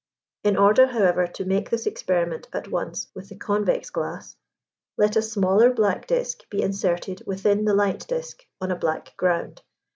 In order, however, to make this experiment at once with the convex glass, let a smaller black disk be inserted within the light disk on a black ground.